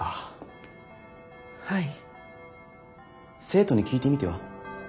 生徒に聞いてみては？